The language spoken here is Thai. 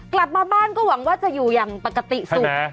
กลับมาบ้านก็หวังว่าจะอยู่อย่างปกติสุข